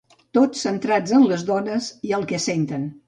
Tots centrats en les dones i el que senten.